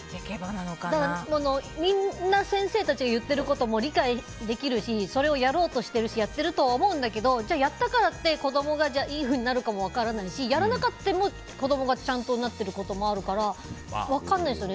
みんな先生たちが言ってることも理解できるしそれをやろうとしてるしやっているとは思うんだけどやったからといって子供がいいふうになるか分からないしやらなくても子供がちゃんとなってることもあるから、分からないですよね。